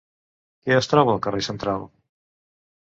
Què es troba al carrer central?